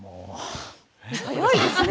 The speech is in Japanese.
早いですね。